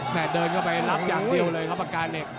เดินเข้าไปรับอย่างเดียวเลยครับปากกาเหล็ก